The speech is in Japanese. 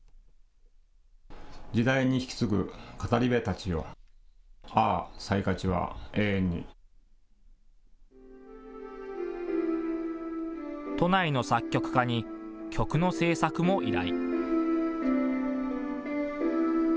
次代に引き継ぐ語部達よああサイカチは永遠に都内の作曲家に曲の制作も依頼。